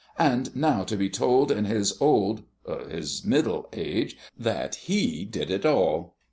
And now to be told in his old his middle age that he did it all!"